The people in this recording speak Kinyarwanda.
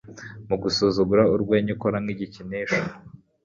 Mu gusuzugura urwenya ukora nk'igikinisho